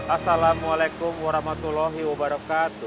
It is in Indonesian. assalamualaikum warahmatullahi wabarakatuh